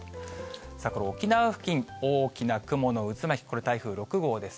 さあ、これ沖縄付近、大きな雲の渦巻き、これ、台風６号です。